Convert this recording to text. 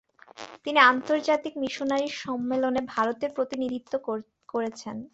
তিনি আন্তর্জাতিক মিশনারি সম্মেলনে ভারতের প্রতিনিধিত্ব করেছেন।